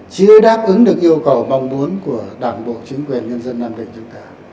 chưa đáp ứng được yêu cầu mong muốn của đảng bộ chính quyền nhân dân nam định chúng ta